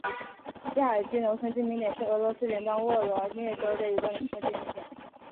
亚尔基农村居民点是俄罗斯联邦沃罗涅日州新霍皮奥尔斯克区所属的一个农村居民点。